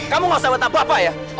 kamu ga usah bertabrak pak ya